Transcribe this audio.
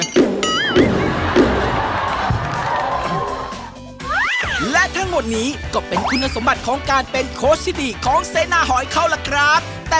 อ่ะนานนี่มีคำถามจากทางบ้านถามมาไง